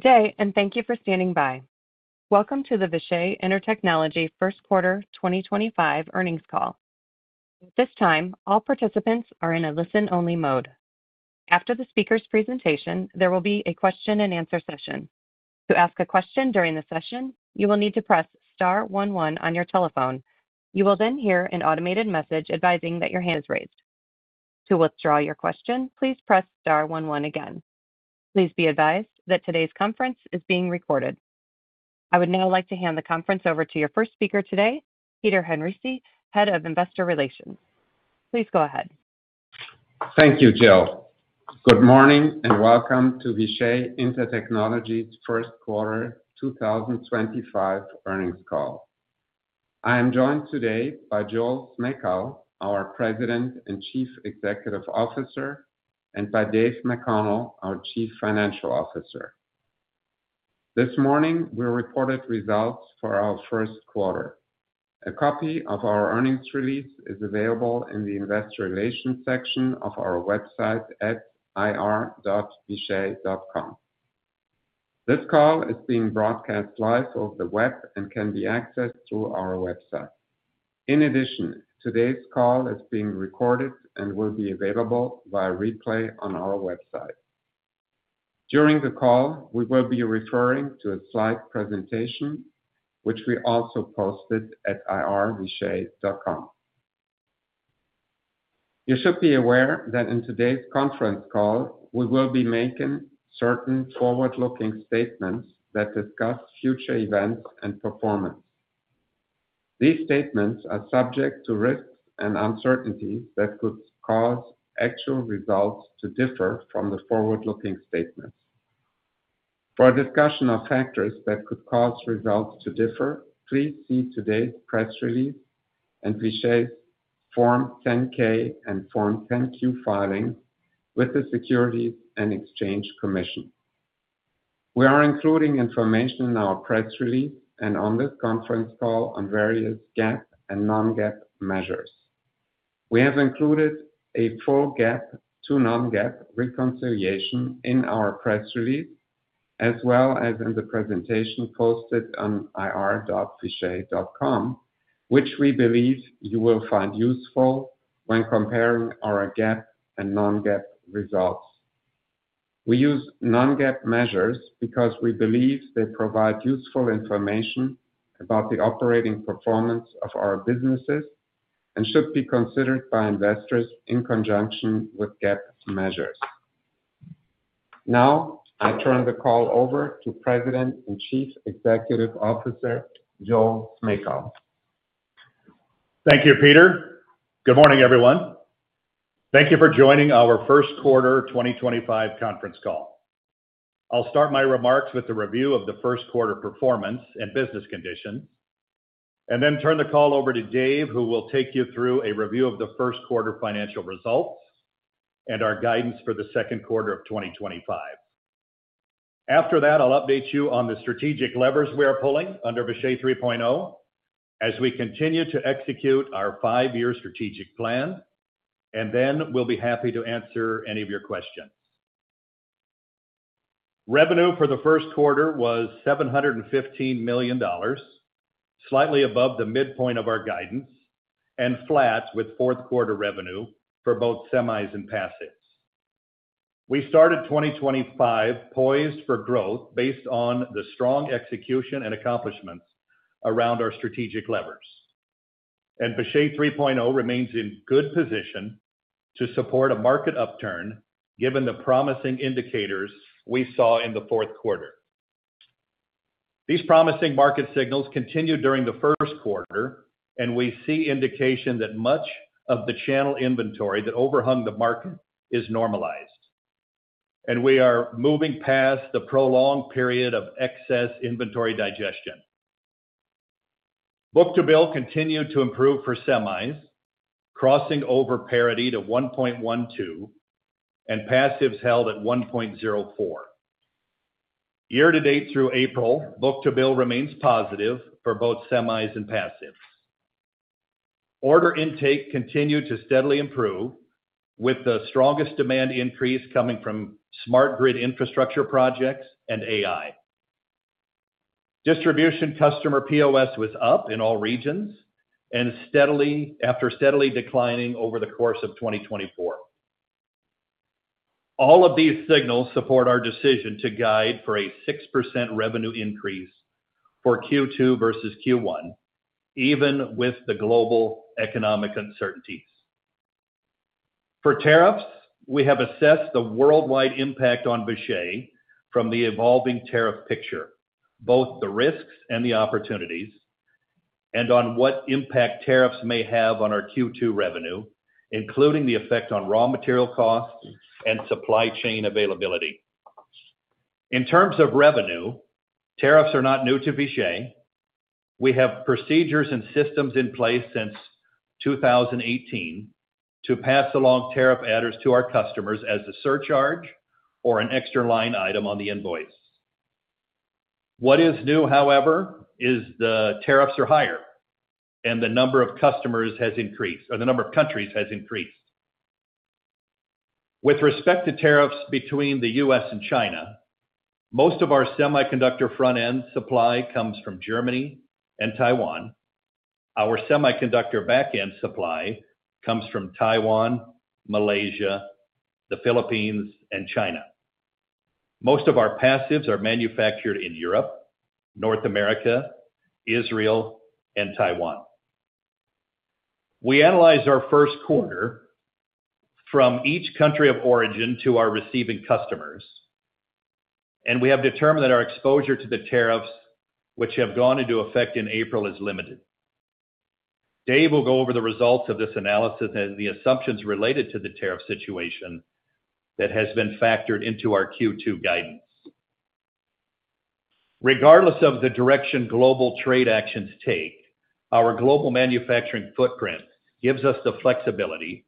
Good day, and thank you for standing by. Welcome to the Vishay Intertechnology First Quarter 2025 Earnings Call. At this time, all participants are in a listen-only mode. After the speaker's presentation, there will be a question-and-answer session. To ask a question during the session, you will need to press star 11 on your telephone. You will then hear an automated message advising that your hand is raised. To withdraw your question, please press star one one again. Please be advised that today's conference is being recorded. I would now like to hand the conference over to your first speaker today, Peter Henrici, Head of Investor Relations. Please go ahead. Thank you, Jill. Good morning and welcome to Vishay Intertechnology's First Quarter 2025 Earnings Call. I am joined today by Joel Smejkal, our President and Chief Executive Officer, and by Dave McConnell, our Chief Financial Officer. This morning, we reported results for our first quarter. A copy of our earnings release is available in the Investor Relations section of our website at ir.vishay.com. This call is being broadcast live over the web and can be accessed through our website. In addition, today's call is being recorded and will be available via replay on our website. During the call, we will be referring to a slide presentation, which we also posted at ir.vishay.com. You should be aware that in today's conference call, we will be making certain forward-looking statements that discuss future events and performance. These statements are subject to risks and uncertainties that could cause actual results to differ from the forward-looking statements. For a discussion of factors that could cause results to differ, please see today's press release and Vishay's Form 10-K and Form 10-Q filings with the Securities and Exchange Commission. We are including information in our press release and on this conference call on various GAAP and non-GAAP measures. We have included a full GAAP to non-GAAP reconciliation in our press release, as well as in the presentation posted on ir.vishay.com, which we believe you will find useful when comparing our GAAP and non-GAAP results. We use non-GAAP measures because we believe they provide useful information about the operating performance of our businesses and should be considered by investors in conjunction with GAAP measures. Now, I turn the call over to President and Chief Executive Officer Joel Smejkal. Thank you, Peter. Good morning, everyone. Thank you for joining our First Quarter 2025 Conference Call. I'll start my remarks with a review of the first quarter performance and business conditions, and then turn the call over to Dave, who will take you through a review of the first quarter financial results and our guidance for the second quarter of 2025. After that, I'll update you on the strategic levers we are pulling under Vishay 3.0 as we continue to execute our five-year strategic plan, and then we'll be happy to answer any of your questions. Revenue for the first quarter was $715 million, slightly above the midpoint of our guidance, and flat with fourth quarter revenue for both semis and passives. We started 2025 poised for growth based on the strong execution and accomplishments around our strategic levers, and Vishay 3.0 remains in good position to support a market upturn given the promising indicators we saw in the fourth quarter. These promising market signals continued during the first quarter, and we see indication that much of the channel inventory that overhung the market is normalized, and we are moving past the prolonged period of excess inventory digestion. Book-to-bill continued to improve for semis, crossing over parity to 1.12, and passives held at 1.04. Year-to-date through April, book-to-bill remains positive for both semis and passives. Order intake continued to steadily improve, with the strongest demand increase coming from smart grid infrastructure projects and AI. Distribution customer POS was up in all regions and steadily declining over the course of 2024. All of these signals support our decision to guide for a 6% revenue increase for Q2 versus Q1, even with the global economic uncertainties. For tariffs, we have assessed the worldwide impact on Vishay from the evolving tariff picture, both the risks and the opportunities, and on what impact tariffs may have on our Q2 revenue, including the effect on raw material costs and supply chain availability. In terms of revenue, tariffs are not new to Vishay. We have procedures and systems in place since 2018 to pass along tariff adders to our customers as a surcharge or an extra line item on the invoice. What is new, however, is the tariffs are higher, and the number of customers has increased, or the number of countries has increased. With respect to tariffs between the U.S. and China, most of our semiconductor front-end supply comes from Germany and Taiwan. Our semiconductor back-end supply comes from Taiwan, Malaysia, the Philippines, and China. Most of our passives are manufactured in Europe, North America, Israel, and Taiwan. We analyzed our first quarter from each country of origin to our receiving customers, and we have determined that our exposure to the tariffs, which have gone into effect in April, is limited. Dave will go over the results of this analysis and the assumptions related to the tariff situation that has been factored into our Q2 guidance. Regardless of the direction global trade actions take, our global manufacturing footprint gives us the flexibility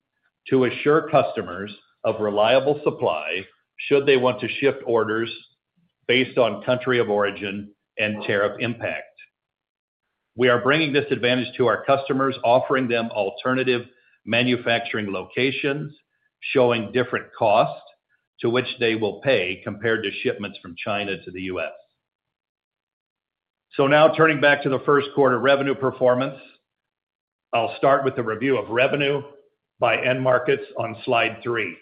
to assure customers of reliable supply should they want to shift orders based on country of origin and tariff impact. We are bringing this advantage to our customers, offering them alternative manufacturing locations, showing different costs to which they will pay compared to shipments from China to the U.S. Now, turning back to the first quarter revenue performance, I'll start with a review of revenue by end markets on slide three.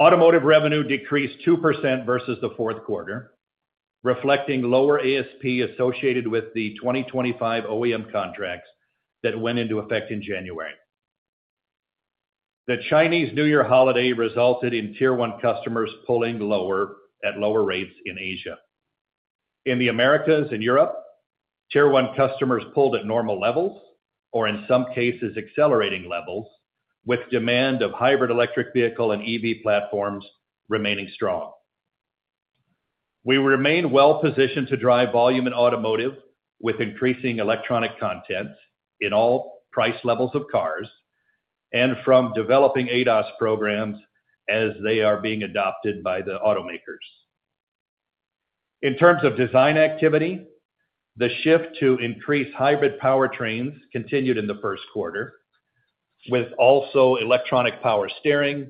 Automotive revenue decreased 2% versus the fourth quarter, reflecting lower ASP associated with the 2025 OEM contracts that went into effect in January. The Chinese New Year holiday resulted in Tier 1 customers pulling lower at lower rates in Asia. In the Americas and Europe, Tier 1 customers pulled at normal levels or, in some cases, accelerating levels, with demand of hybrid electric vehicle and EV platforms remaining strong. We remain well-positioned to drive volume in automotive with increasing electronic content in all price levels of cars and from developing ADAS programs as they are being adopted by the automakers. In terms of design activity, the shift to increase hybrid powertrains continued in the first quarter, with also electronic power steering,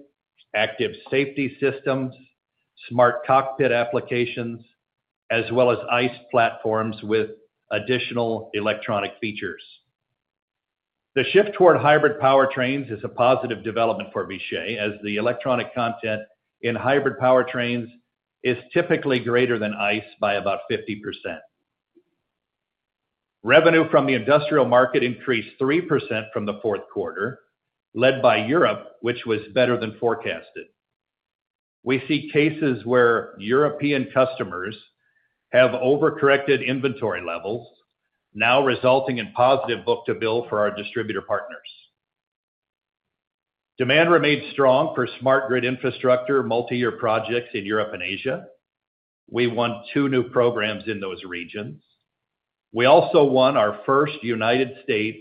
active safety systems, smart cockpit applications, as well as ICE platforms with additional electronic features. The shift toward hybrid powertrains is a positive development for Vishay, as the electronic content in hybrid powertrains is typically greater than ICE by about 50%. Revenue from the industrial market increased 3% from the fourth quarter, led by Europe, which was better than forecasted. We see cases where European customers have overcorrected inventory levels, now resulting in positive book-to-bill for our distributor partners. Demand remained strong for smart grid infrastructure multi-year projects in Europe and Asia. We won two new programs in those regions. We also won our first United States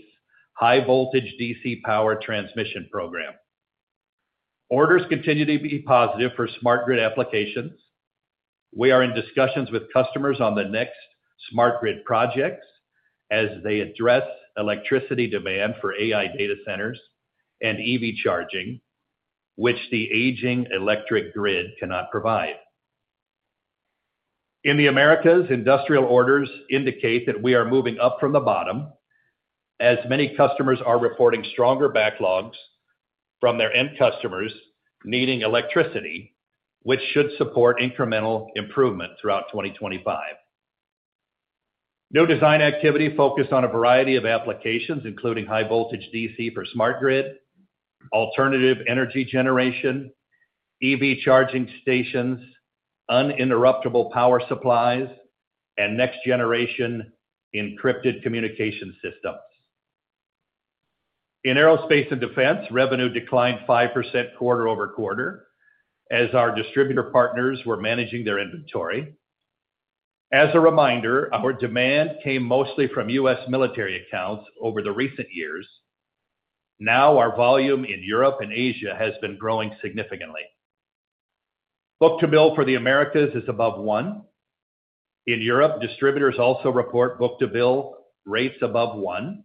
high-voltage DC power transmission program. Orders continue to be positive for smart grid applications. We are in discussions with customers on the next smart grid projects as they address electricity demand for AI data centers and EV charging, which the aging electric grid cannot provide. In the Americas, industrial orders indicate that we are moving up from the bottom, as many customers are reporting stronger backlogs from their end customers needing electricity, which should support incremental improvement throughout 2025. New design activity focused on a variety of applications, including high-voltage DC for smart grid, alternative energy generation, EV charging stations, uninterruptible power supplies, and next-generation encrypted communication systems. In aerospace and defense, revenue declined 5% quarter-over-quarter as our distributor partners were managing their inventory. As a reminder, our demand came mostly from U.S. military accounts over the recent years. Now, our volume in Europe and Asia has been growing significantly. Book-to-bill for the Americas is above one. In Europe, distributors also report book-to-bill rates above one.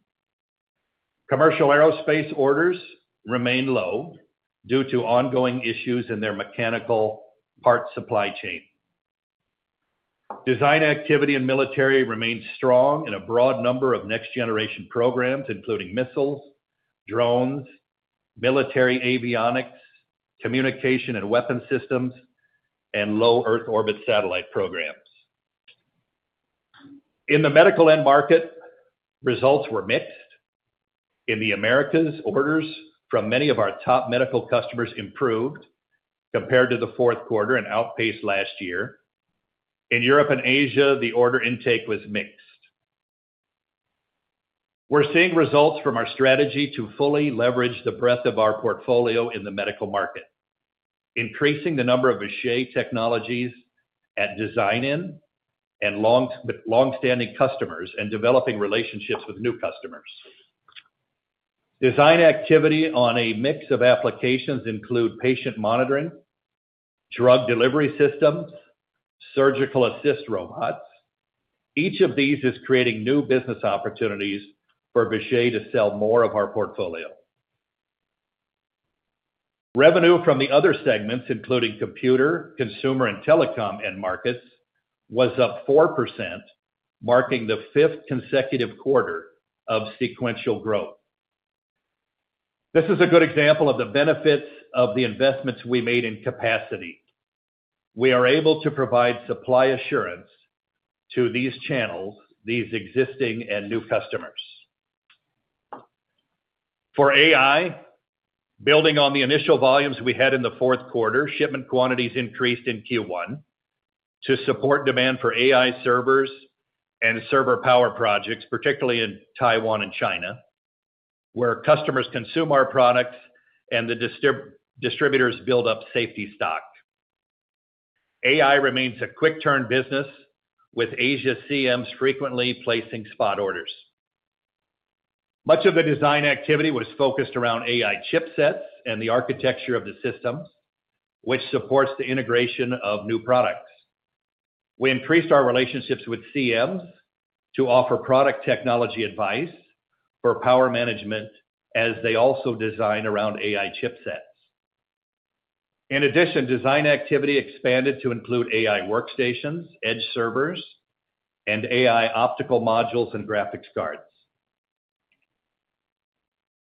Commercial aerospace orders remain low due to ongoing issues in their mechanical part supply chain. Design activity in military remains strong in a broad number of next-generation programs, including missiles, drones, military avionics, communication and weapon systems, and low Earth orbit satellite programs. In the medical end market, results were mixed. In the Americas, orders from many of our top medical customers improved compared to the fourth quarter and outpaced last year. In Europe and Asia, the order intake was mixed. We're seeing results from our strategy to fully leverage the breadth of our portfolio in the medical market, increasing the number of Vishay technologies at design-in and long-standing customers and developing relationships with new customers. Design activity on a mix of applications includes patient monitoring, drug delivery systems, and surgical assist robots. Each of these is creating new business opportunities for Vishay to sell more of our portfolio. Revenue from the other segments, including computer, consumer, and telecom end markets, was up 4%, marking the fifth consecutive quarter of sequential growth. This is a good example of the benefits of the investments we made in capacity. We are able to provide supply assurance to these channels, these existing and new customers. For AI, building on the initial volumes we had in the fourth quarter, shipment quantities increased in Q1 to support demand for AI servers and server power projects, particularly in Taiwan and China, where customers consume our products and the distributors build up safety stock. AI remains a quick-turn business, with Asia CMs frequently placing spot orders. Much of the design activity was focused around AI chipsets and the architecture of the systems, which supports the integration of new products. We increased our relationships with CMs to offer product technology advice for power management, as they also design around AI chipsets. In addition, design activity expanded to include AI workstations, edge servers, and AI optical modules and graphics cards.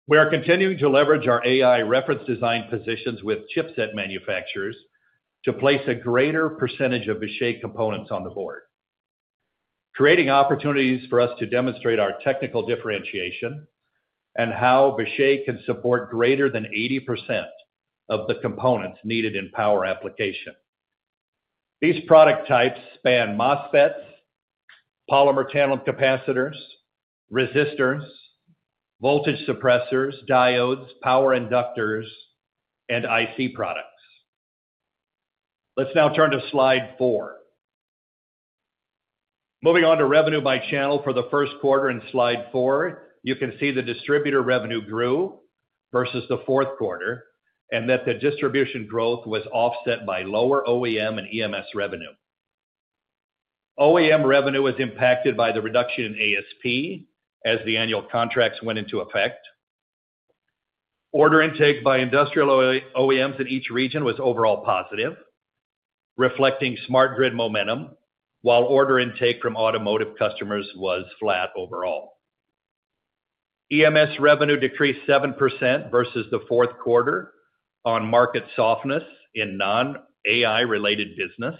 We are continuing to leverage our AI reference design positions with chipset manufacturers to place a greater percentage of Vishay components on the board, creating opportunities for us to demonstrate our technical differentiation and how Vishay can support greater than 80% of the components needed in power application. These product types span MOSFETs, polymer channel capacitors, resistors, voltage suppressors, diodes, power inductors, and IC products. Let's now turn to slide four. Moving on to revenue by channel for the first quarter in slide four, you can see the distributor revenue grew versus the fourth quarter and that the distribution growth was offset by lower OEM and EMS revenue. OEM revenue was impacted by the reduction in ASP as the annual contracts went into effect. Order intake by industrial OEMs in each region was overall positive, reflecting smart grid momentum, while order intake from automotive customers was flat overall. EMS revenue decreased 7% versus the fourth quarter on market softness in non-AI related business.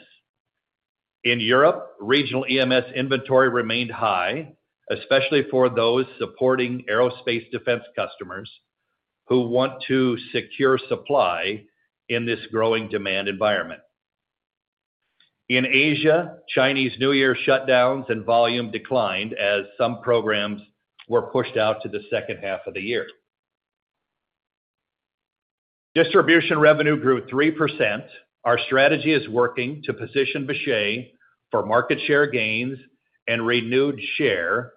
In Europe, regional EMS inventory remained high, especially for those supporting aerospace defense customers who want to secure supply in this growing demand environment. In Asia, Chinese New Year shutdowns and volume declined as some programs were pushed out to the second half of the year. Distribution revenue grew 3%. Our strategy is working to position Vishay for market share gains and renewed share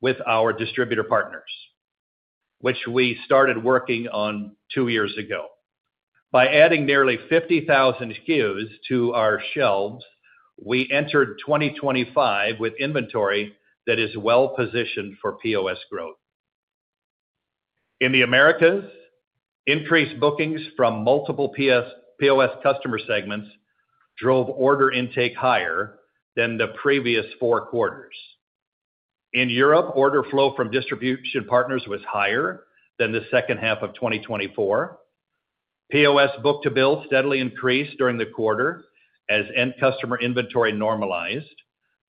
with our distributor partners, which we started working on two years ago. By adding nearly 50,000 SKUs to our shelves, we entered 2025 with inventory that is well-positioned for POS growth. In the Americas, increased bookings from multiple POS customer segments drove order intake higher than the previous four quarters. In Europe, order flow from distribution partners was higher than the second half of 2024. POS book-to-bill steadily increased during the quarter as end customer inventory normalized,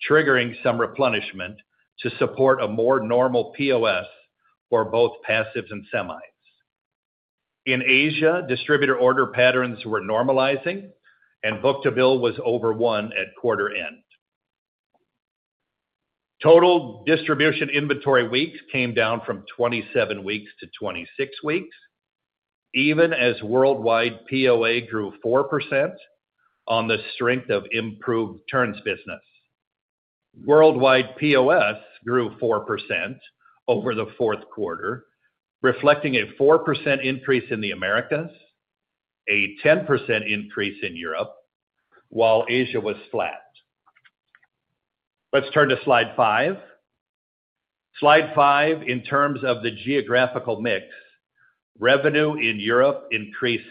triggering some replenishment to support a more normal POS for both passives and semis. In Asia, distributor order patterns were normalizing, and book-to-bill was over one at quarter end. Total distribution inventory weeks came down from 27 weeks to 26 weeks, even as worldwide POS grew 4% on the strength of improved turns business. Worldwide POS grew 4% over the fourth quarter, reflecting a 4% increase in the Americas, a 10% increase in Europe, while Asia was flat. Let's turn to slide five. Slide five, in terms of the geographical mix, revenue in Europe increased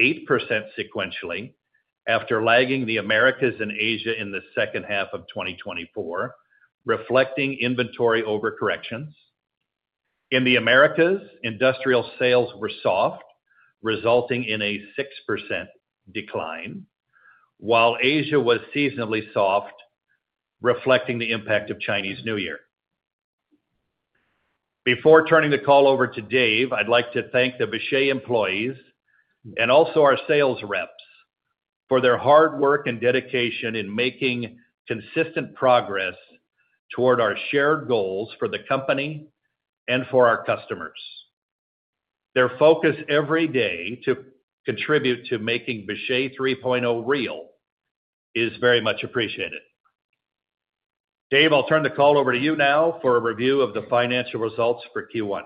8% sequentially after lagging the Americas and Asia in the second half of 2024, reflecting inventory overcorrections. In the Americas, industrial sales were soft, resulting in a 6% decline, while Asia was seasonally soft, reflecting the impact of Chinese New Year. Before turning the call over to Dave, I'd like to thank the Vishay employees and also our sales reps for their hard work and dedication in making consistent progress toward our shared goals for the company and for our customers. Their focus every day to contribute to making Vishay 3.0 real is very much appreciated. Dave, I'll turn the call over to you now for a review of the financial results for Q1.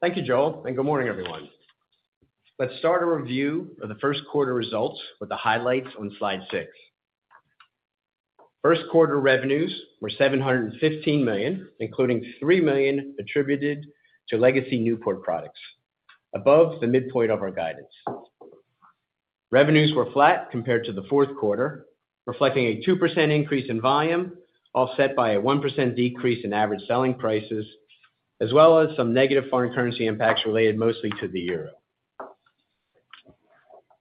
Thank you, Joel, and good morning, everyone. Let's start a review of the first quarter results with the highlights on slide six. First quarter revenues were $715 million, including $3 million attributed to legacy Newport products, above the midpoint of our guidance. Revenues were flat compared to the fourth quarter, reflecting a 2% increase in volume, offset by a 1% decrease in average selling prices, as well as some negative foreign currency impacts related mostly to the euro.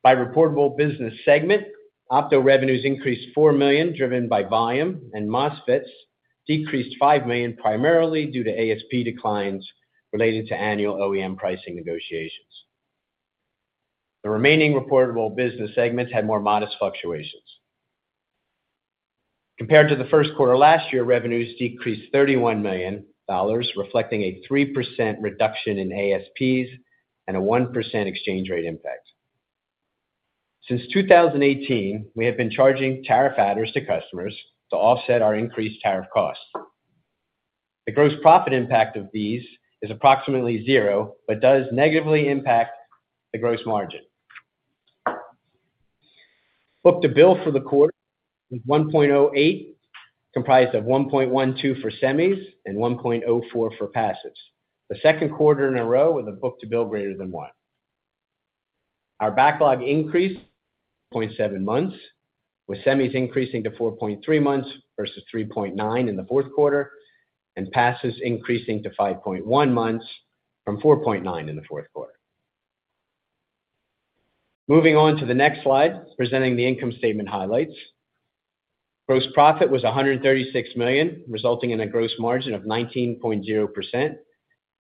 By reportable business segment, opto revenues increased $4 million, driven by volume, and MOSFETs decreased $5 million, primarily due to ASP declines related to annual OEM pricing negotiations. The remaining reportable business segments had more modest fluctuations. Compared to the first quarter last year, revenues decreased $31 million, reflecting a 3% reduction in ASPs and a 1% exchange rate impact. Since 2018, we have been charging tariff adders to customers to offset our increased tariff costs. The gross profit impact of these is approximately zero, but does negatively impact the gross margin. Book-to-bill for the quarter was 1.08, comprised of 1.12 for semis and 1.04 for passives, the second quarter in a row with a book-to-bill greater than one. Our backlog increased 0.7 months, with semis increasing to 4.3 months versus 3.9 in the fourth quarter, and passives increasing to 5.1 months from 4.9 in the fourth quarter. Moving on to the next slide, presenting the income statement highlights. Gross profit was $136 million, resulting in a gross margin of 19.0%,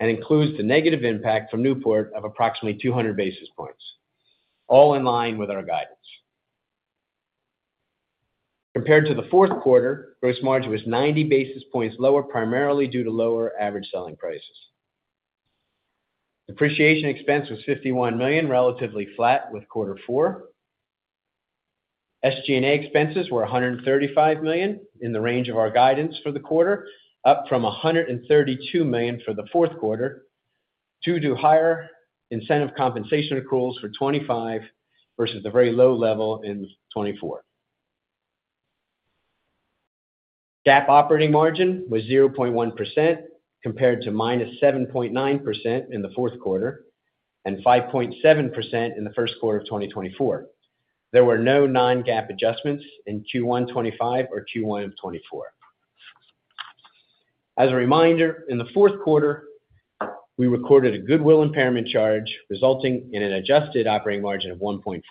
and includes the negative impact from Newport of approximately 200 basis points, all in line with our guidance. Compared to the fourth quarter, gross margin was 90 basis points lower, primarily due to lower average selling prices. Depreciation expense was $51 million, relatively flat with quarter four. SG&A expenses were $135 million in the range of our guidance for the quarter, up from $132 million for the fourth quarter, due to higher incentive compensation accruals for 2025 versus the very low level in 2024. GAAP operating margin was 0.1%, compared to -7.9% in the fourth quarter and 5.7% in the first quarter of 2024. There were no non-GAAP adjustments in Q1 2025 or Q1 2024. As a reminder, in the fourth quarter, we recorded a goodwill impairment charge, resulting in an adjusted operating margin of 1.4%.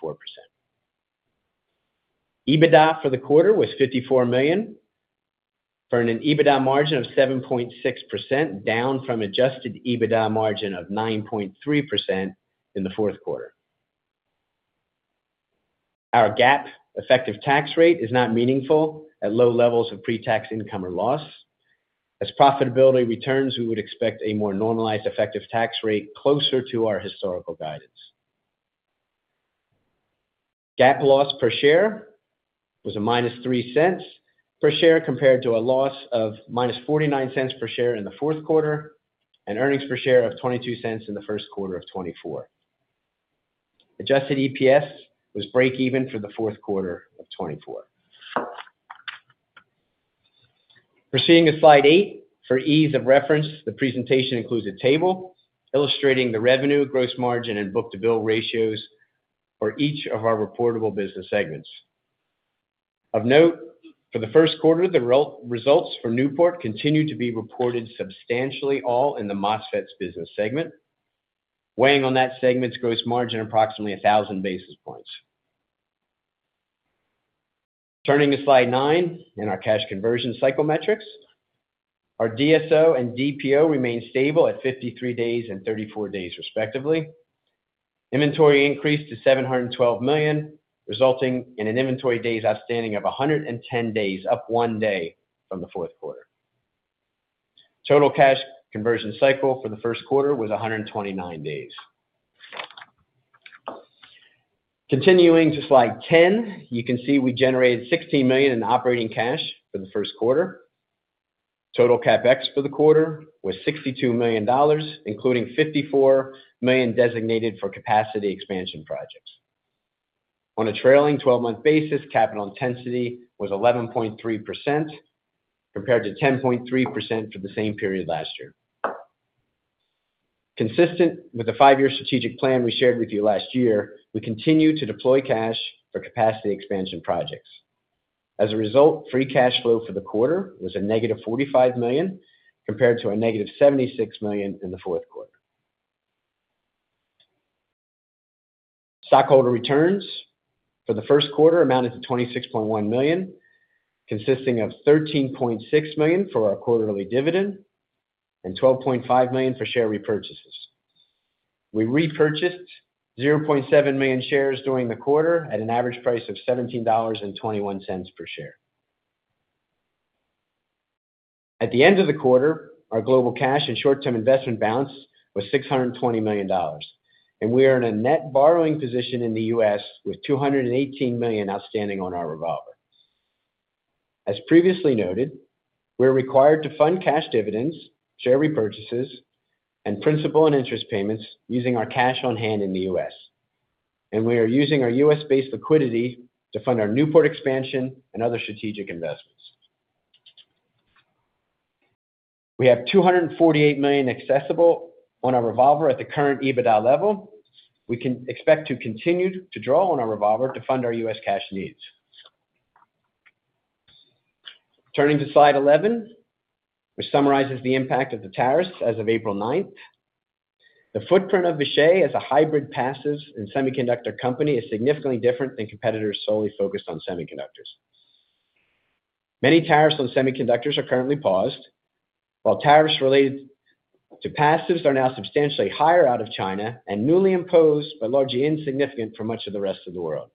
EBITDA for the quarter was $54 million, earning EBITDA margin of 7.6%, down from adjusted EBITDA margin of 9.3% in the fourth quarter. Our GAAP effective tax rate is not meaningful at low levels of pre-tax income or loss. As profitability returns, we would expect a more normalized effective tax rate closer to our historical guidance. GAAP loss per share was a -$0.03 per share, compared to a loss of -$0.49 per share in the fourth quarter, and earnings per share of $0.22 in the first quarter of 2024. Adjusted EPS was breakeven for the fourth quarter of 2024. Proceeding to slide eight, for ease of reference, the presentation includes a table illustrating the revenue, gross margin, and book-to-bill ratios for each of our reportable business segments. Of note, for the first quarter, the results for Newport continue to be reported substantially all in the MOSFETs business segment, weighing on that segment's gross margin approximately 1,000 basis points. Turning to slide nine in our cash conversion cycle metrics, our DSO and DPO remain stable at 53 days and 34 days, respectively. Inventory increased to $712 million, resulting in an inventory days outstanding of 110 days, up one day from the fourth quarter. Total cash conversion cycle for the first quarter was 129 days. Continuing to slide 10, you can see we generated $16 million in operating cash for the first quarter. Total CapEx for the quarter was $62 million, including $54 million designated for capacity expansion projects. On a trailing 12-month basis, capital intensity was 11.3%, compared to 10.3% for the same period last year. Consistent with the five-year strategic plan we shared with you last year, we continue to deploy cash for capacity expansion projects. As a result, free cash flow for the quarter was a -$45 million, compared to a -$76 million in the fourth quarter. Stockholder returns for the first quarter amounted to $26.1 million, consisting of $13.6 million for our quarterly dividend and $12.5 million for share repurchases. We repurchased 0.7 million shares during the quarter at an average price of $17.21 per share. At the end of the quarter, our global cash and short-term investment balance was $620 million, and we are in a net borrowing position in the U.S. with $218 million outstanding on our revolver. As previously noted, we're required to fund cash dividends, share repurchases, and principal and interest payments using our cash on hand in the U.S., and we are using our U.S.-based liquidity to fund our Newport expansion and other strategic investments. We have $248 million accessible on our revolver at the current EBITDA level. We can expect to continue to draw on our revolver to fund our U.S. cash needs. Turning to slide 11, which summarizes the impact of the tariffs as of April 9th. The footprint of Vishay as a hybrid passive and semiconductor company is significantly different than competitors solely focused on semiconductors. Many tariffs on semiconductors are currently paused, while tariffs related to passives are now substantially higher out of China and newly imposed, but largely insignificant for much of the rest of the world.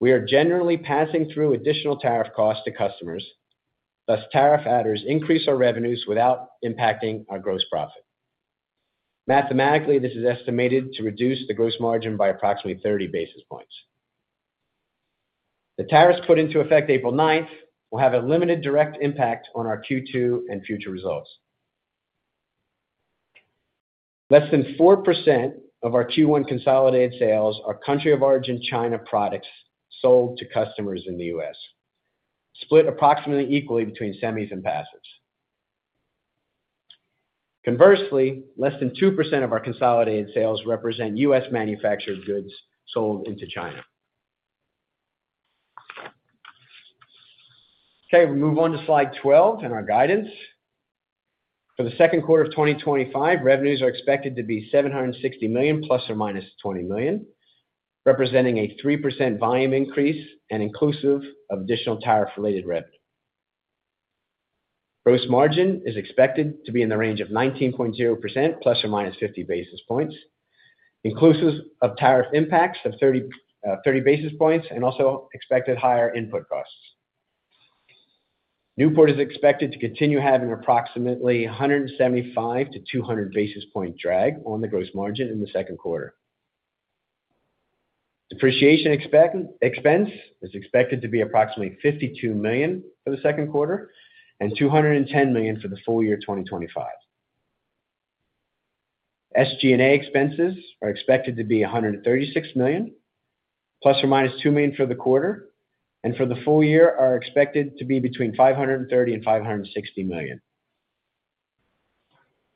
We are generally passing through additional tariff costs to customers, thus tariff adders increase our revenues without impacting our gross profit. Mathematically, this is estimated to reduce the gross margin by approximately 30 basis points. The tariffs put into effect April 9th will have a limited direct impact on our Q2 and future results. Less than 4% of our Q1 consolidated sales are country of origin China products sold to customers in the U.S., split approximately equally between semis and passives. Conversely, less than 2% of our consolidated sales represent U.S. manufactured goods sold into China. Okay, we'll move on to slide 12 in our guidance. For the second quarter of 2025, revenues are expected to be $760 million ±$20 million, representing a 3% volume increase and inclusive of additional tariff-related revenue. Gross margin is expected to be in the range of 19.0%± 50 basis points, inclusive of tariff impacts of 30 basis points and also expected higher input costs. Newport is expected to continue having approximately 175-200 basis point drag on the gross margin in the second quarter. Depreciation expense is expected to be approximately $52 million for the second quarter and $210 million for the full year 2025. SG&A expenses are expected to be $136 million, $2 ± million for the quarter, and for the full year are expected to be between $530 million and $560 million.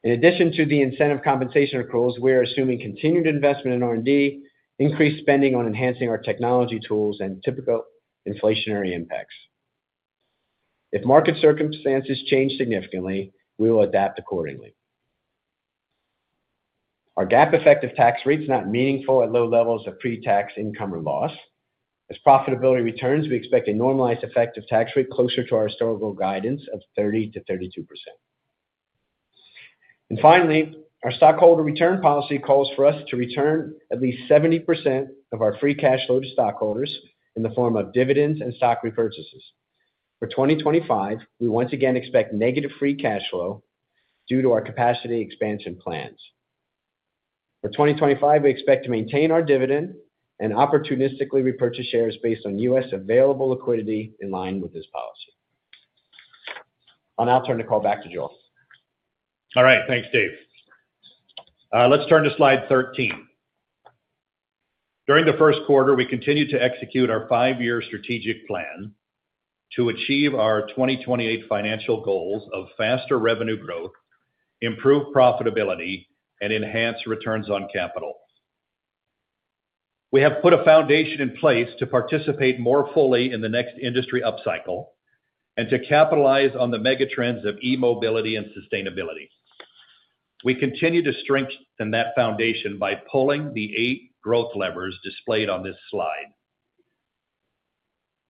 In addition to the incentive compensation accruals, we are assuming continued investment in R&D, increased spending on enhancing our technology tools, and typical inflationary impacts. If market circumstances change significantly, we will adapt accordingly. Our GAAP effective tax rate is not meaningful at low levels of pre-tax income or loss. As profitability returns, we expect a normalized effective tax rate closer to our historical guidance of 30%-32%. Finally, our stockholder return policy calls for us to return at least 70% of our free cash flow to stockholders in the form of dividends and stock repurchases. For 2025, we once again expect negative free cash flow due to our capacity expansion plans. For 2025, we expect to maintain our dividend and opportunistically repurchase shares based on U.S. available liquidity in line with this policy. I'll now turn the call back to Joel. All right, thanks, Dave. Let's turn to slide 13. During the first quarter, we continue to execute our five-year strategic plan to achieve our 2028 financial goals of faster revenue growth, improved profitability, and enhanced returns on capital. We have put a foundation in place to participate more fully in the next industry upcycle and to capitalize on the megatrends of e-mobility and sustainability. We continue to strengthen that foundation by pulling the eight growth levers displayed on this slide.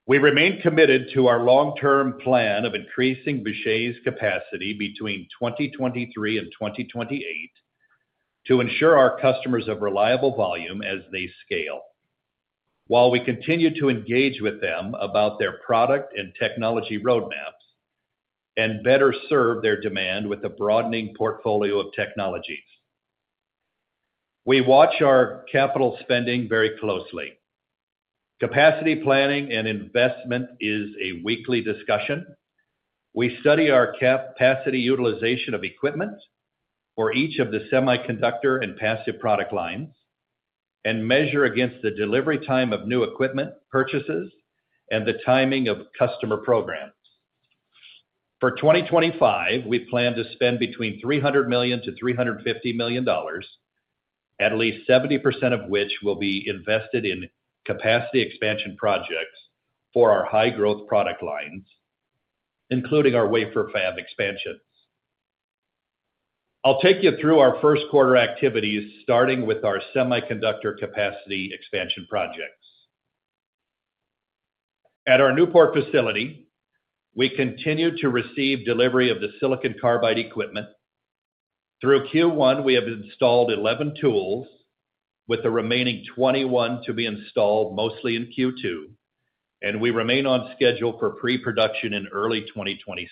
We remain committed to our long-term plan of increasing Vishay's capacity between 2023 and 2028 to ensure our customers have reliable volume as they scale, while we continue to engage with them about their product and technology roadmaps and better serve their demand with a broadening portfolio of technologies. We watch our capital spending very closely. Capacity planning and investment is a weekly discussion. We study our capacity utilization of equipment for each of the semiconductor and passive product lines and measure against the delivery time of new equipment purchases and the timing of customer programs. For 2025, we plan to spend between $300 million-$350 million, at least 70% of which will be invested in capacity expansion projects for our high-growth product lines, including our wafer fab expansions. I'll take you through our first quarter activities, starting with our semiconductor capacity expansion projects. At our Newport facility, we continue to receive delivery of the silicon carbide equipment. Through Q1, we have installed 11 tools, with the remaining 21 to be installed mostly in Q2, and we remain on schedule for pre-production in early 2026.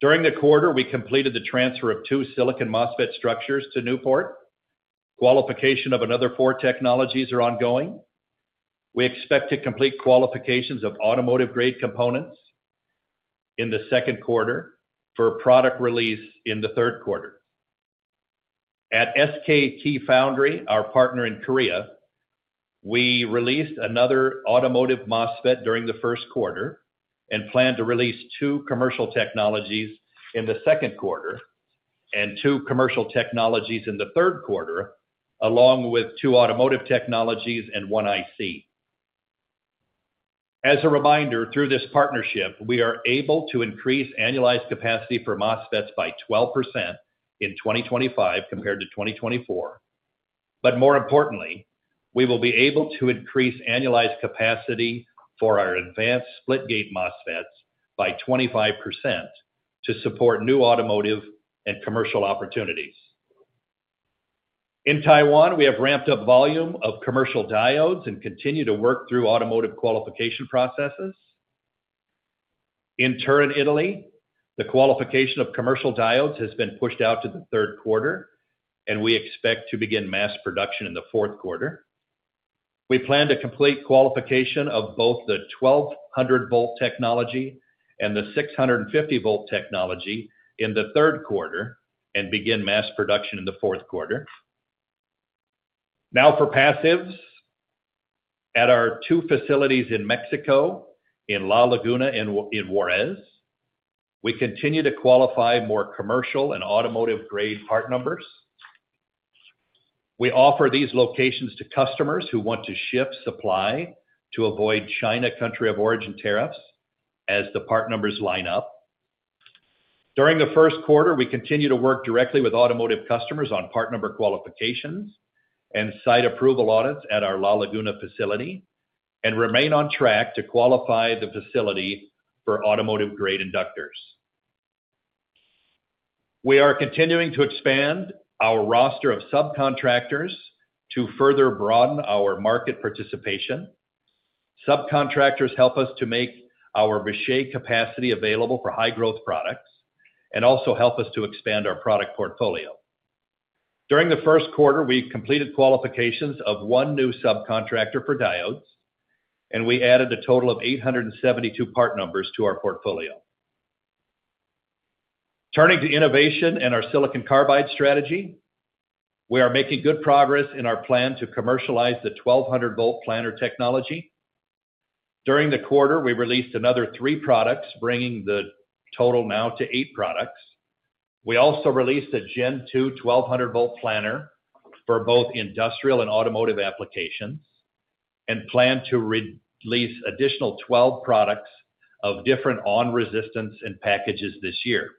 During the quarter, we completed the transfer of two silicon MOSFET structures to Newport. Qualification of another four technologies is ongoing. We expect to complete qualifications of automotive-grade components in the second quarter for product release in the third quarter. At SK Keyfoundry, our partner in Korea, we released another automotive MOSFET during the first quarter and plan to release two commercial technologies in the second quarter and two commercial technologies in the third quarter, along with two automotive technologies and one IC. As a reminder, through this partnership, we are able to increase annualized capacity for MOSFETs by 12% in 2025 compared to 2024. More importantly, we will be able to increase annualized capacity for our advanced split gate MOSFETs by 25% to support new automotive and commercial opportunities. In Taiwan, we have ramped up volume of commercial diodes and continue to work through automotive qualification processes. In Turin, Italy, the qualification of commercial diodes has been pushed out to the third quarter, and we expect to begin mass production in the fourth quarter. We plan to complete qualification of both the 1200-volt technology and the 650-volt technology in the third quarter and begin mass production in the fourth quarter. Now, for passives, at our two facilities in Mexico, in La Laguna and in Ciudad Juárez, we continue to qualify more commercial and automotive-grade part numbers. We offer these locations to customers who want to shift supply to avoid China country of origin tariffs as the part numbers line up. During the first quarter, we continue to work directly with automotive customers on part number qualifications and site approval audits at our La Laguna facility and remain on track to qualify the facility for automotive-grade inductors. We are continuing to expand our roster of subcontractors to further broaden our market participation. Subcontractors help us to make our Vishay capacity available for high-growth products and also help us to expand our product portfolio. During the first quarter, we completed qualifications of one new subcontractor for diodes, and we added a total of 872 part numbers to our portfolio. Turning to innovation and our silicon carbide strategy, we are making good progress in our plan to commercialize the 1200-volt planar technology. During the quarter, we released another three products, bringing the total now to eight products. We also released a Gen 2 1200-volt planar for both industrial and automotive applications and plan to release an additional 12 products of different on-resistance and packages this year.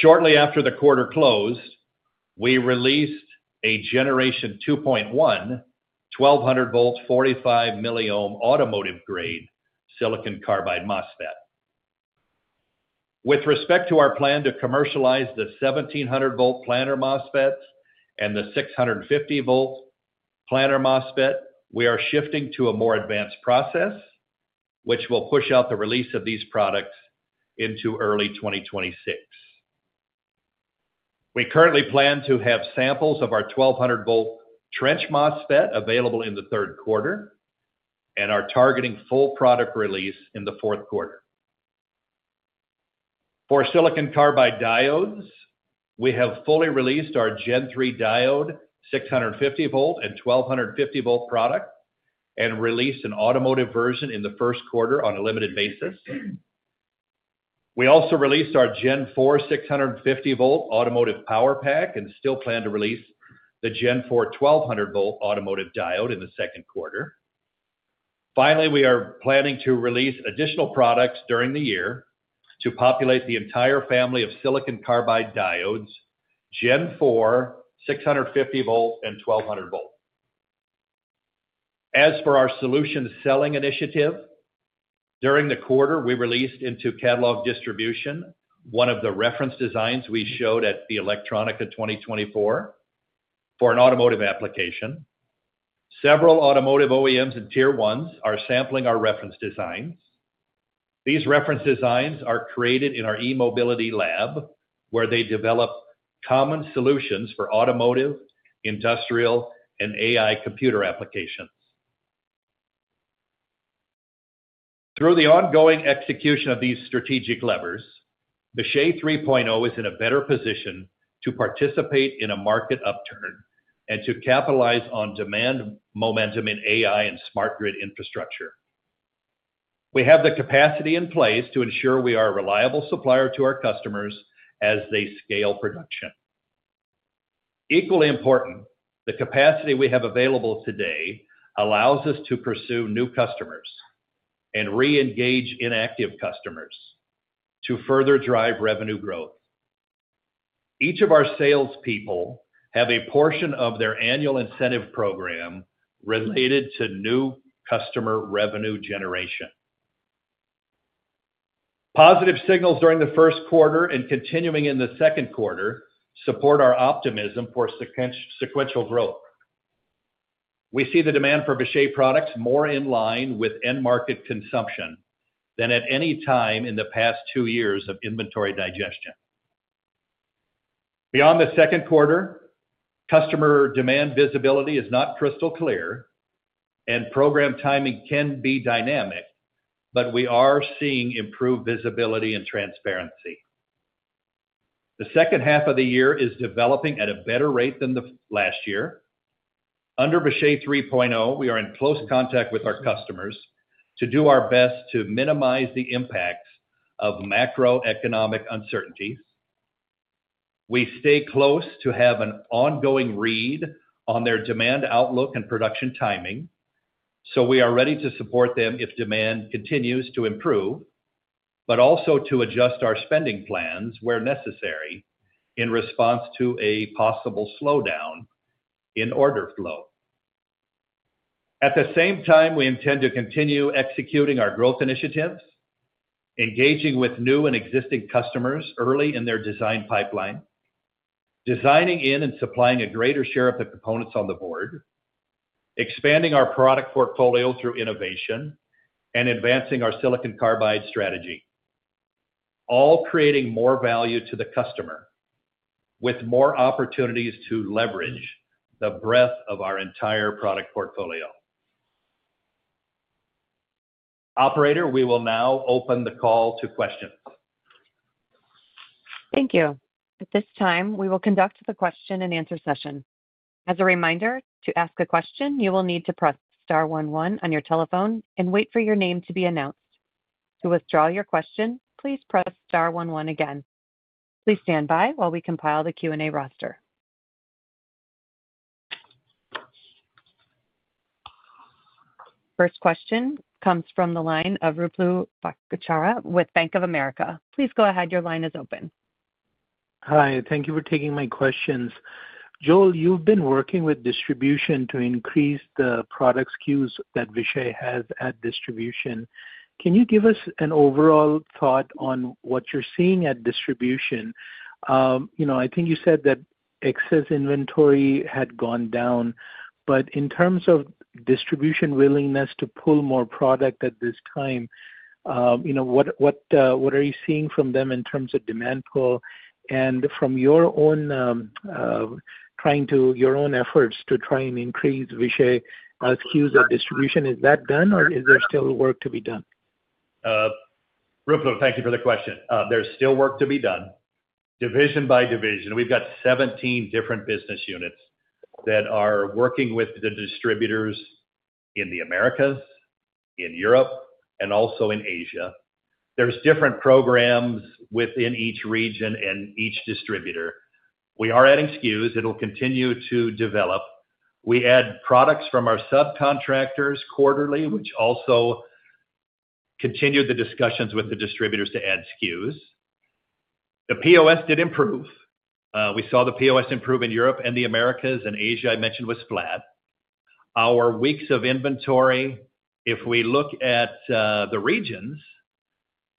Shortly after the quarter closed, we released a Generation 2.1 1200-volt 45 milliohm automotive-grade silicon carbide MOSFET. With respect to our plan to commercialize the 1700-volt planar MOSFETs and the 650-volt planar MOSFET, we are shifting to a more advanced process, which will push out the release of these products into early 2026. We currently plan to have samples of our 1200-volt trench MOSFET available in the third quarter and are targeting full product release in the fourth quarter. For silicon carbide diodes, we have fully released our Gen 3 diode 650-volt and 1250-volt product and released an automotive version in the first quarter on a limited basis. We also released our Gen 4 650-volt automotive power pack and still plan to release the Gen 4 1200-volt automotive diode in the second quarter. Finally, we are planning to release additional products during the year to populate the entire family of silicon carbide diodes, Gen 4, 650-volt and 1200-volt. As for our solution selling initiative, during the quarter, we released into catalog distribution one of the reference designs we showed at the Electronica 2024 for an automotive application. Several automotive OEMs and Tier 1s are sampling our reference designs. These reference designs are created in our e-mobility lab, where they develop common solutions for automotive, industrial, and AI computer applications. Through the ongoing execution of these strategic levers, Vishay 3.0 is in a better position to participate in a market upturn and to capitalize on demand momentum in AI and smart grid infrastructure. We have the capacity in place to ensure we are a reliable supplier to our customers as they scale production. Equally important, the capacity we have available today allows us to pursue new customers and re-engage inactive customers to further drive revenue growth. Each of our salespeople has a portion of their annual incentive program related to new customer revenue generation. Positive signals during the first quarter and continuing in the second quarter support our optimism for sequential growth. We see the demand for Vishay products more in line with end-market consumption than at any time in the past two years of inventory digestion. Beyond the second quarter, customer demand visibility is not crystal clear, and program timing can be dynamic, but we are seeing improved visibility and transparency. The second half of the year is developing at a better rate than last year. Under Vishay 3.0, we are in close contact with our customers to do our best to minimize the impacts of macroeconomic uncertainties. We stay close to have an ongoing read on their demand outlook and production timing, so we are ready to support them if demand continues to improve, but also to adjust our spending plans where necessary in response to a possible slowdown in order flow. At the same time, we intend to continue executing our growth initiatives, engaging with new and existing customers early in their design pipeline, designing in and supplying a greater share of the components on the board, expanding our product portfolio through innovation, and advancing our silicon carbide strategy, all creating more value to the customer with more opportunities to leverage the breadth of our entire product portfolio. Operator, we will now open the call to questions. Thank you. At this time, we will conduct the question and answer session. As a reminder, to ask a question, you will need to press star one one on your telephone and wait for your name to be announced. To withdraw your question, please press star one one again. Please stand by while we compile the Q&A roster. First question comes from the line of Ruplu Bhattacharya with Bank of America. Please go ahead. Your line is open. Hi. Thank you for taking my questions. Joel, you've been working with distribution to increase the product SKUs that Vishay has at distribution. Can you give us an overall thought on what you're seeing at distribution? I think you said that excess inventory had gone down, but in terms of distribution willingness to pull more product at this time, what are you seeing from them in terms of demand pull? From your own efforts to try and increase Vishay SKUs at distribution, is that done, or is there still work to be done? Ruplu, thank you for the question. There is still work to be done. Division by division, we have 17 different business units that are working with the distributors in the Americas, in Europe, and also in Asia. There are different programs within each region and each distributor. We are adding SKUs. It will continue to develop. We add products from our subcontractors quarterly, which also continued the discussions with the distributors to add SKUs. The POS did improve. We saw the POS improve in Europe and the Americas, and Asia, I mentioned, was flat. Our weeks of inventory, if we look at the regions,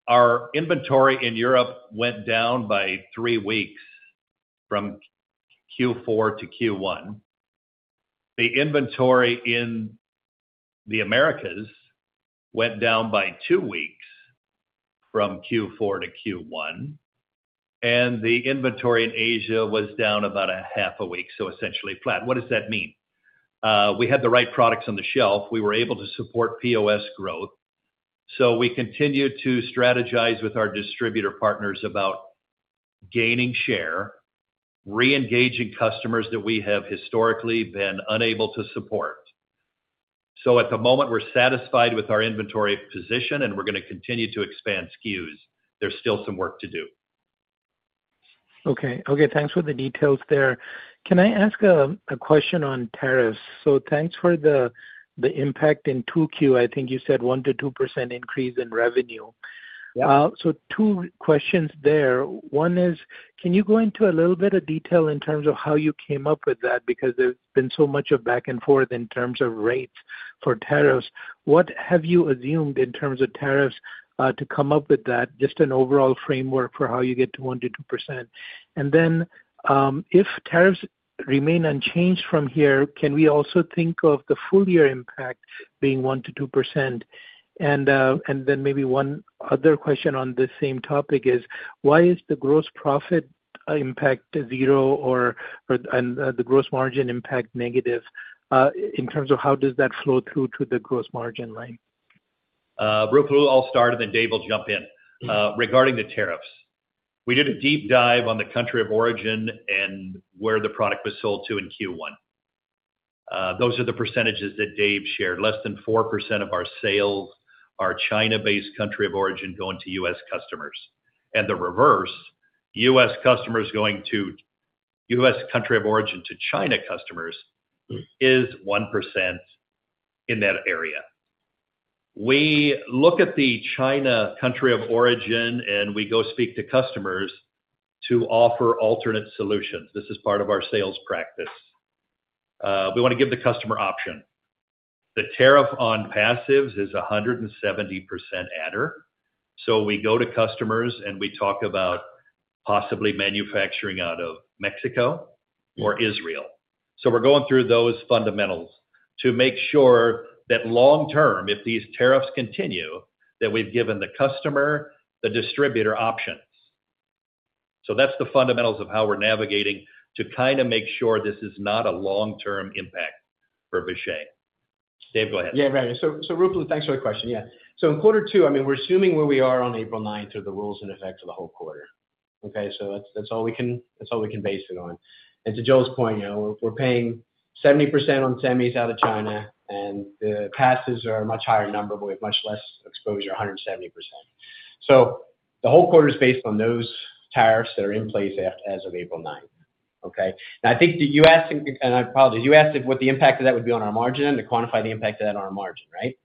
our inventory in Europe went down by three weeks from Q4 to Q1. The inventory in the Americas went down by two weeks from Q4 to Q1, and the inventory in Asia was down about half a week, so essentially flat. What does that mean? We had the right products on the shelf. We were able to support POS growth. We continue to strategize with our distributor partners about gaining share, re-engaging customers that we have historically been unable to support. At the moment, we're satisfied with our inventory position, and we're going to continue to expand SKUs. There's still some work to do. Okay. Okay. Thanks for the details there. Can I ask a question on tariffs? Thanks for the impact in 2Q. I think you said 1-2% increase in revenue. Two questions there. One is, can you go into a little bit of detail in terms of how you came up with that? Because there's been so much of back and forth in terms of rates for tariffs. What have you assumed in terms of tariffs to come up with that? Just an overall framework for how you get to 1-2%. If tariffs remain unchanged from here, can we also think of the full year impact being 1-2%? Maybe one other question on the same topic is, why is the gross profit impact zero and the gross margin impact negative? In terms of how does that flow through to the gross margin line? Rupalu, I'll start, and then Dave will jump in. Regarding the tariffs, we did a deep dive on the country of origin and where the product was sold to in Q1. Those are the percentages that Dave shared. Less than 4% of our sales are China-based country of origin going to U.S .customers. The reverse, U.S. customers going to U.S. country of origin to China customers, is 1% in that area. We look at the China country of origin, and we go speak to customers to offer alternate solutions. This is part of our sales practice. We want to give the customer option. The tariff on passives is 170% adder. We go to customers, and we talk about possibly manufacturing out of Mexico or Israel. We are going through those fundamentals to make sure that long term, if these tariffs continue, that we have given the customer, the distributor options. That is the fundamentals of how we are navigating to kind of make sure this is not a long-term impact for Vishay. Dave, go ahead. Yeah. Right. Rupalu, thanks for the question. Yeah. In quarter two, I mean, we're assuming where we are on April 9th are the rules in effect for the whole quarter. Okay? That's all we can base it on. To Joel's point, we're paying 70% on semis out of China, and the passives are a much higher number, but we have much less exposure, 170%. The whole quarter is based on those tariffs that are in place as of April 9th. Okay? I think that you asked—and I apologize—you asked what the impact of that would be on our margin and to quantify the impact of that on our margin, right?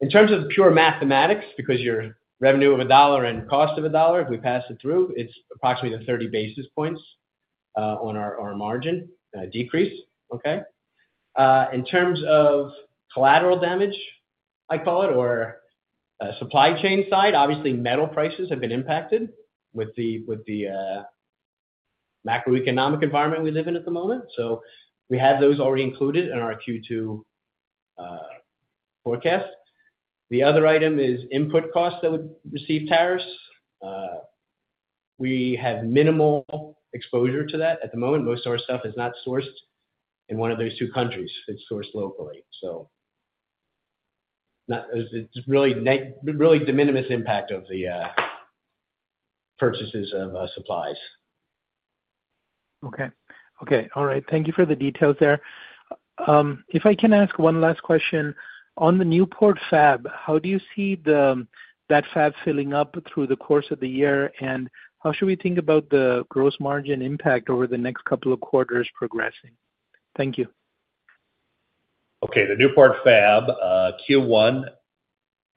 In terms of pure mathematics, because your revenue of a dollar and cost of a dollar, if we pass it through, it's approximately 30 basis points on our margin decrease. Okay? In terms of collateral damage, I call it, or supply chain side, obviously metal prices have been impacted with the macroeconomic environment we live in at the moment. We have those already included in our Q2 forecast. The other item is input costs that would receive tariffs. We have minimal exposure to that at the moment. Most of our stuff is not sourced in one of those two countries. It is sourced locally. It is really the minimus impact of the purchases of supplies. Okay. Okay. All right. Thank you for the details there. If I can ask one last question, on the Newport Fab, how do you see that fab filling up through the course of the year, and how should we think about the gross margin impact over the next couple of quarters progressing? Thank you. Okay. The Newport Fab, Q1,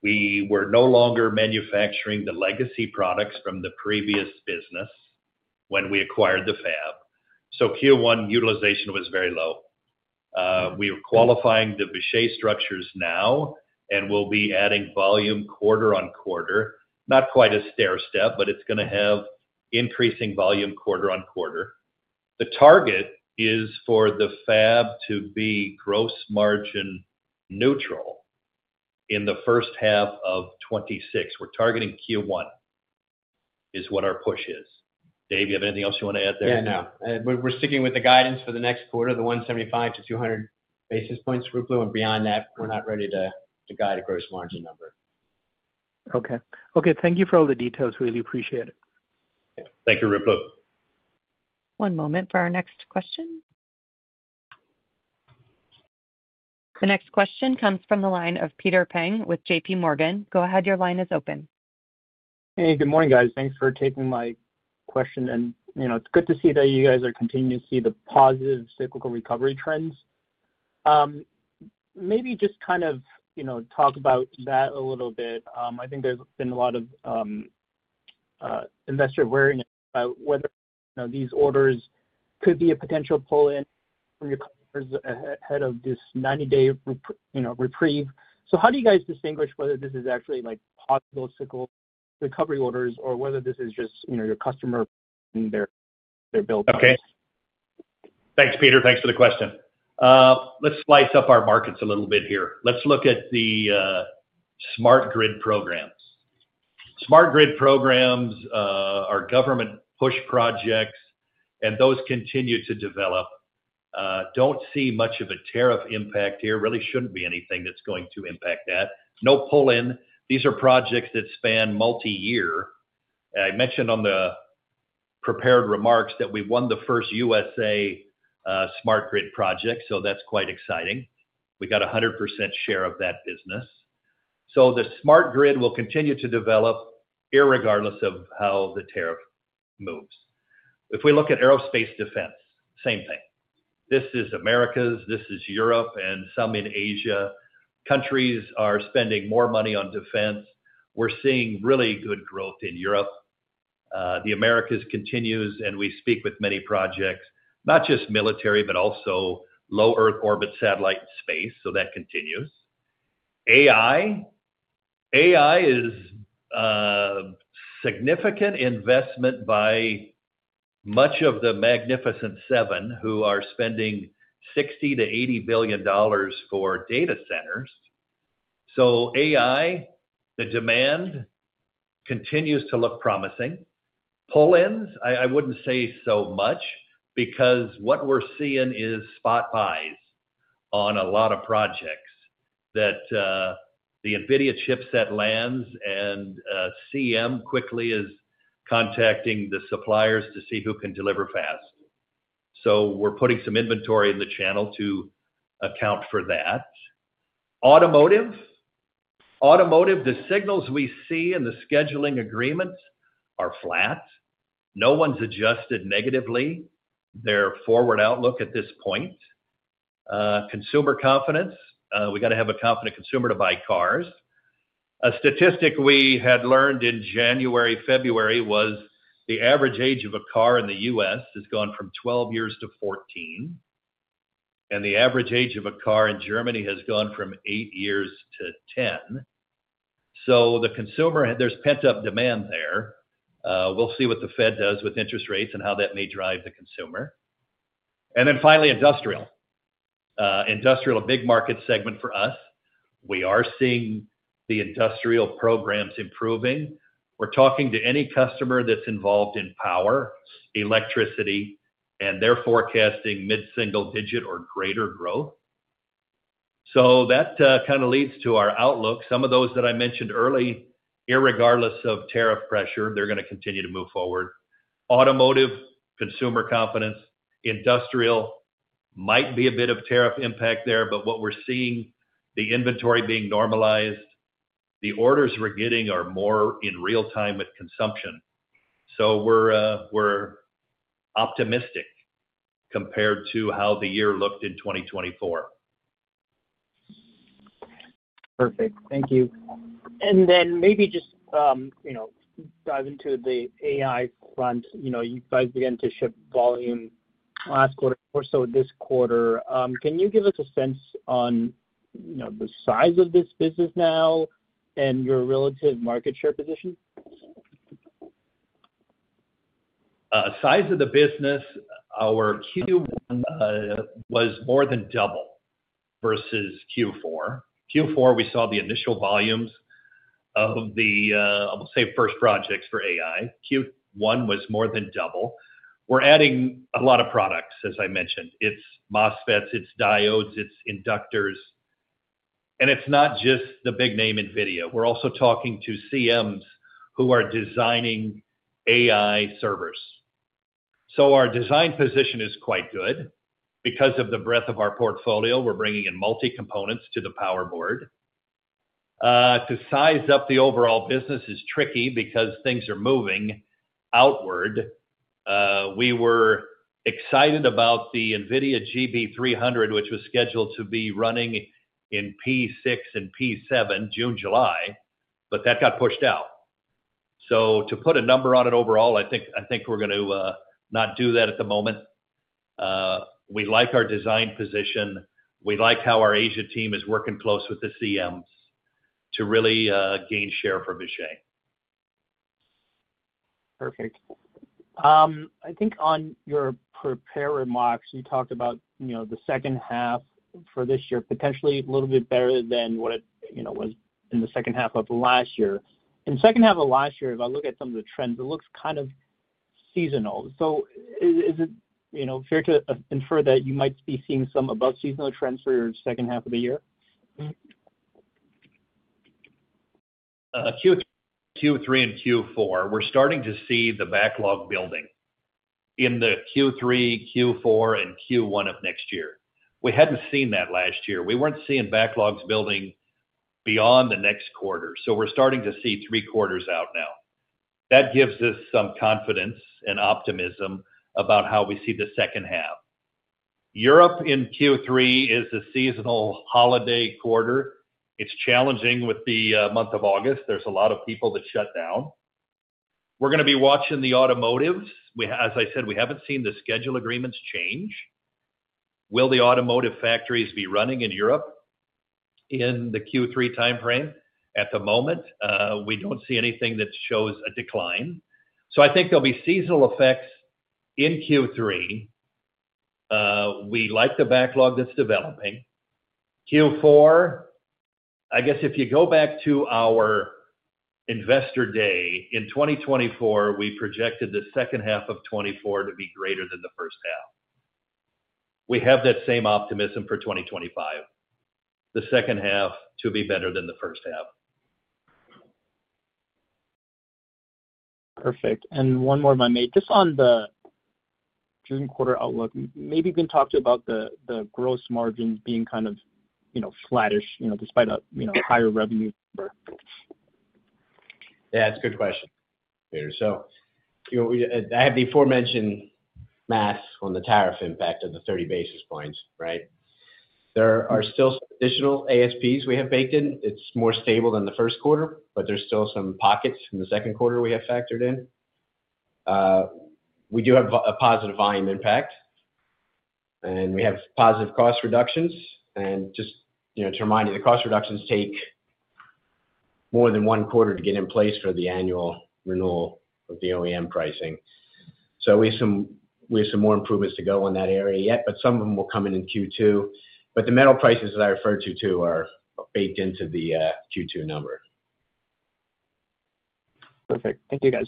we were no longer manufacturing the legacy products from the previous business when we acquired the fab. Q1 utilization was very low. We are qualifying the Vishay structures now and will be adding volume quarter-on-quarter. Not quite a stair step, but it's going to have increasing volume quarter-on-quarter. The target is for the fab to be gross margin neutral in the first half of 2026. We're targeting Q1 is what our push is. Dave, do you have anything else you want to add there? Yeah. No. We're sticking with the guidance for the next quarter, the 175-200 basis points, Rupalu, and beyond that, we're not ready to guide a gross margin number. Okay. Okay. Thank you for all the details. Really appreciate it. Thank you, Rupalu. One moment for our next question. The next question comes from the line of Peter Peng with JPMorgan. Go ahead. Your line is open. Hey. Good morning, guys. Thanks for taking my question. And it's good to see that you guys are continuing to see the positive cyclical recovery trends. Maybe just kind of talk about that a little bit. I think there's been a lot of investor worrying about whether these orders could be a potential pull-in from your customers ahead of this 90-day reprieve. How do you guys distinguish whether this is actually possible cyclical recovery orders or whether this is just your customer and their bill? Okay. Thanks, Peter. Thanks for the question. Let's slice up our markets a little bit here. Let's look at the smart grid programs. Smart grid programs are government push projects, and those continue to develop. Don't see much of a tariff impact here. Really should not be anything that is going to impact that. No pull-in. These are projects that span multi-year. I mentioned on the prepared remarks that we won the first U.S.A. smart grid project, so that is quite exciting. We got 100% share of that business. The smart grid will continue to develop regardless of how the tariff moves. If we look at aerospace defense, same thing. This is Americas, this is Europe and some in Asia. Countries are spending more money on defense. We are seeing really good growth in Europe. The Americas continues, and we speak with many projects, not just military, but also low Earth orbit satellite and space, so that continues. AI is significant investment by much of the Magnificent Seven who are spending $60 billion-$80 billion for data centers. AI, the demand continues to look promising. Pull-ins, I would not say so much because what we are seeing is spot buys on a lot of projects. The NVIDIA chipset lands and CM quickly is contacting the suppliers to see who can deliver fast. We are putting some inventory in the channel to account for that. Automotive, the signals we see in the scheduling agreements are flat. No one has adjusted negatively. They are forward outlook at this point. Consumer confidence, we have to have a confident consumer to buy cars. A statistic we had learned in January, February was the average age of a car in the U.S. has gone from 12 years to 14 years, and the average age of a car in Germany has gone from 8 years to 10 years. The consumer, there is pent-up demand there. We will see what the Fed does with interest rates and how that may drive the consumer. Finally, industrial. Industrial, a big market segment for us. We are seeing the industrial programs improving. We're talking to any customer that's involved in power, electricity, and they're forecasting mid-single digit or greater growth. That kind of leads to our outlook. Some of those that I mentioned early, regardless of tariff pressure, they're going to continue to move forward. Automotive, consumer confidence. Industrial might be a bit of tariff impact there, but what we're seeing, the inventory being normalized, the orders we're getting are more in real time with consumption. We are optimistic compared to how the year looked in 2024. Perfect. Thank you. Maybe just dive into the AI front. You guys began to shift volume last quarter or this quarter. Can you give us a sense on the size of this business now and your relative market share position? Size of the business, our Q1 was more than double versus Q4. Q4, we saw the initial volumes of the, I'll say, first projects for AI. Q1 was more than double. We're adding a lot of products, as I mentioned. It's MOSFETs, it's diodes, it's inductors. And it's not just the big name NVIDIA. We're also talking to CMs who are designing AI servers. So our design position is quite good. Because of the breadth of our portfolio, we're bringing in multi-components to the power board. To size up the overall business is tricky because things are moving outward. We were excited about the NVIDIA GB300, which was scheduled to be running in P6 and P7, June, July, but that got pushed out. To put a number on it overall, I think we're going to not do that at the moment. We like our design position. We like how our Asia team is working close with the CMs to really gain share for Vishay. Perfect. I think on your prepared remarks, you talked about the second half for this year potentially a little bit better than what it was in the second half of last year. In the second half of last year, if I look at some of the trends, it looks kind of seasonal. Is it fair to infer that you might be seeing some above-seasonal trends for your second half of the year? Q3 and Q4, we're starting to see the backlog building in the Q3, Q4, and Q1 of next year. We hadn't seen that last year. We weren't seeing backlogs building beyond the next quarter. We're starting to see three quarters out now. That gives us some confidence and optimism about how we see the second half. Europe in Q3 is a seasonal holiday quarter. It's challenging with the month of August. There's a lot of people that shut down. We're going to be watching the automotives. As I said, we haven't seen the schedule agreements change. Will the automotive factories be running in Europe in the Q3 timeframe? At the moment, we don't see anything that shows a decline. I think there'll be seasonal effects in Q3. We like the backlog that's developing. Q4, I guess if you go back to our investor day in 2024, we projected the second half of 2024 to be greater than the first half. We have that same optimism for 2025, the second half to be better than the first half. Perfect. One more of my mate, just on the June quarter outlook, maybe you can talk to about the gross margins being kind of flattish despite a higher revenue number. Yeah. That's a good question, Peter. I have the aforementioned math on the tariff impact of the 30 basis points, right? There are still some additional ASPs we have baked in. It's more stable than the first quarter, but there's still some pockets in the second quarter we have factored in. We do have a positive volume impact, and we have positive cost reductions. Just to remind you, the cost reductions take more than one quarter to get in place for the annual renewal of the OEM pricing. We have some more improvements to go on that area yet, but some of them will come in in Q2. But the metal prices that I referred to too are baked into the Q2 number. Perfect. Thank you, guys.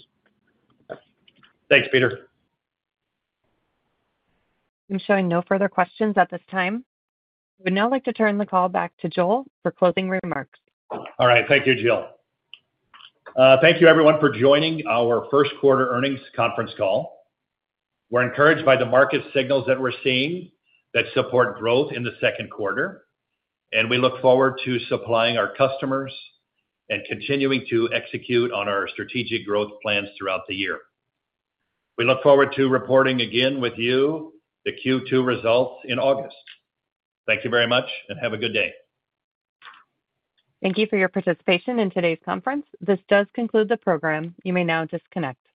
Thanks, Peter. I'm showing no further questions at this time. We'd now like to turn the call back to Joel for closing remarks. All right. Thank you, Jill. Thank you, everyone, for joining our first quarter earnings conference call. We're encouraged by the market signals that we're seeing that support growth in the second quarter, and we look forward to supplying our customers and continuing to execute on our strategic growth plans throughout the year. We look forward to reporting again with you the Q2 results in August. Thank you very much, and have a good day. Thank you for your participation in today's conference. This does conclude the program. You may now disconnect.